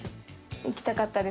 行きたかったです。